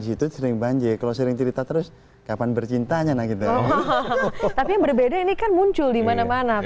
situ sering banjir kalau sering cerita terus kapan bercintanya nah gitu tapi berbeda ini kan muncul dimana mana